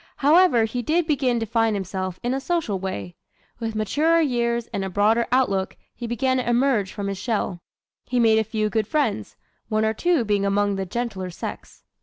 However he did begin to find himself in a social way. With maturer years and a broader outlook he began to emerge from his shell. He made a few good friends, one or two being among the gentler sex.